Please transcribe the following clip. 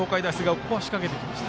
ここは仕掛けてきました。